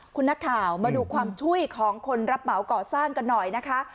คุณนักข่าวมาดูความช่วยของคนรับเหมาก่อสร้างกันหน่อยนะคะ